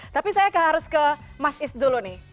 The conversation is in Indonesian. tapi saya harus ke mas is dulu nih